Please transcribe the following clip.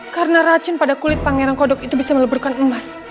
karena racun pada kulit pangerang kodok itu bisa meleburkan emas